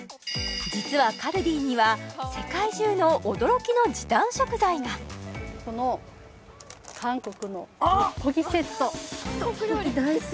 実はカルディには世界中の驚きの時短食材がこの韓国のトッポギセットあっトッポギ大好き！